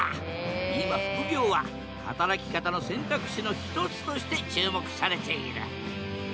今副業は働き方の選択肢の一つとして注目されている！